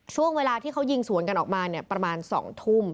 ช่วงเวลาที่เขายิงสวนกันออกมาเนี่ยประมาณ๒ทุ่ม